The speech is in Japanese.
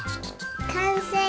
かんせい！